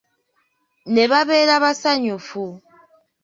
Ne babeera basanyufu.